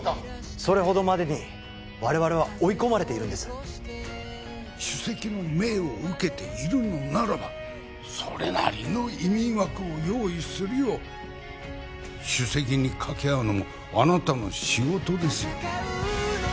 それほどまでに我々は追い込まれているんです主席の命を受けているのならばそれなりの移民枠を用意するよう主席に掛け合うのもあなたの仕事ですよ